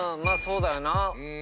まあそうだよな。